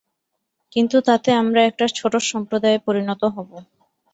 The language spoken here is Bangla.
কিন্তু তাতে আমরা একটা ছোট সম্প্রদায়ে পরিণত হব।